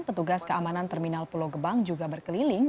petugas keamanan terminal pulau gebang juga berkeliling